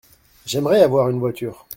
J’aimerais avoir une voiture.